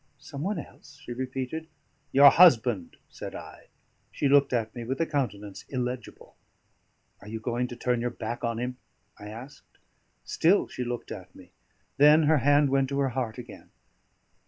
"Some one else?" she repeated. "Your husband," said I. She looked at me with a countenance illegible. "Are you going to turn your back on him?" I asked. Still she looked at me; then her hand went to her heart again.